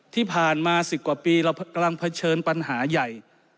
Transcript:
ที่ผ่านมา๑๐กว่าปีเรากำลังเผชิญปัญหาใหญ่